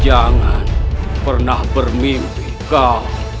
jangan pernah bermimpi kau